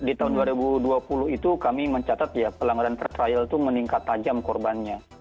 di tahun dua ribu dua puluh itu kami mencatat ya pelanggaran per trial itu meningkat tajam korbannya